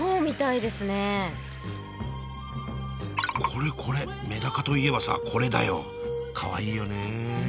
これこれメダカといえばさこれだよ。かわいいよね。